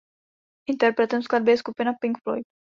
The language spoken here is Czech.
Interpretem skladby je skupina Pink Floyd.